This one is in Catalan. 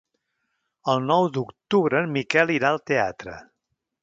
El nou d'octubre en Miquel irà al teatre.